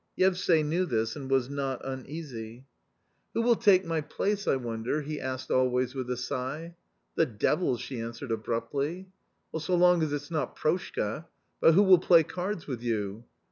Yevsay knew this, and was not uneasy. 4 A COMMON STORY " Who will take my place, I wonder ?" he asked always with a sigh. " The devil !" she answered abruptly. " So long as it's not Proshka. But who will play cards with you